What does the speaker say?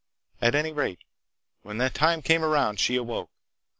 At any rate, when the time came around she awoke.